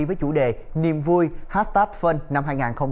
với chủ đề niềm vui hashtag fun năm hai nghìn hai mươi